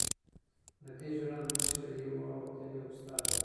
د دې ژورنال مشره یوه وتلې استاده ده.